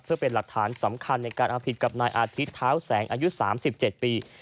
เพื่อเป็นหลักฐานสำคัญในการเอาผิดกับนายอาทิตย์เท้าแสงอายุ๓๗ปี